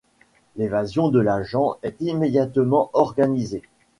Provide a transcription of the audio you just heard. L’évasion de l’agent est immédiatement organisée.